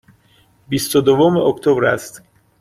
بیست و دوم اکتبر است.